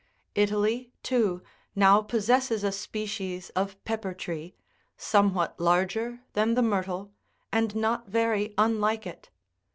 Italy,31 too, now possesses a species of pepper tree, somewhat larger than the myrtle, and not very unlike it.